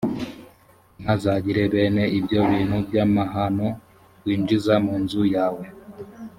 ntihazagire bene ibyo bintu by’amahano winjiza mu nzu yawe